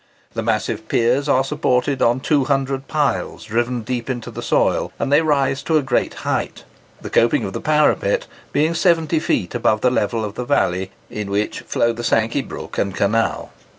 The massive piers are supported on two hundred piles driven deep into the soil; and they rise to a great height,—the coping of the parapet being seventy feet above the level of the valley, in which flow the Sankey brook and canal.